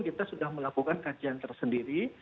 kita sudah melakukan kajian tersendiri